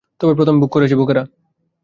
তবে প্রথমে ভোগ করেছে বোকারা।